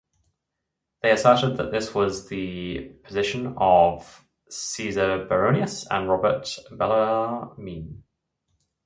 They asserted that this was the position of Caesar Baronius and Robert Bellarmine.